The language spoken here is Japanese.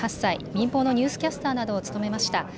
民放のニュースキャスターなどを務めました。